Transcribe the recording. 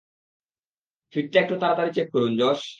ফিডটা একটু তাড়াতাড়ি চেক করুন, জশ!